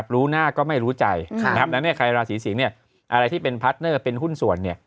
รู้หน้าก็ไม่รู้ใจดังนั้นใครราศีสิงศ์อะไรที่เป็นพาร์ทเนอร์เป็นหุ้นส่วน